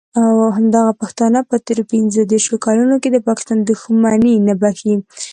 همدغه پښتانه په تېرو پینځه دیرشو کالونو کې د پاکستان دښمني نه بښي.